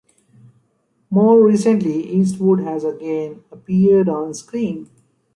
More recently, Eastwood has again appeared onscreen.